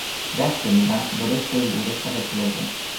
De asemenea, doresc să-i urez toate cele bune.